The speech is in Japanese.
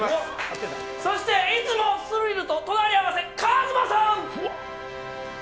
そしていつもスリルと隣り合わせＫＡＺＭＡさん！